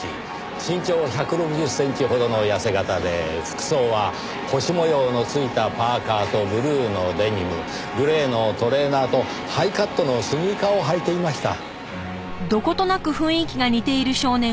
身長１６０センチほどの痩せ形で服装は星模様の付いたパーカとブルーのデニムグレーのトレーナーとハイカットのスニーカーを履いていました。